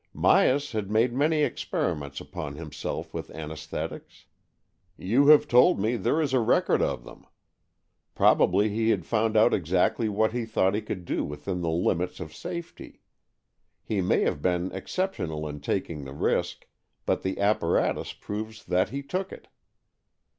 Myas had made many experiments upon himself with anaes thetics. You have told me there is a record of them. Probably he had found out exactly AN EXCHANGE OF SOULS 117 what he thought he could do within the limits of safety. He may have been exceptional in taking the risk, but the apparatus proves that he took it.